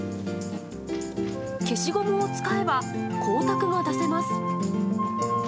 消しゴムを使えば光沢も出せます。